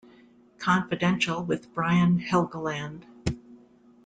Confidential with Brian Helgeland.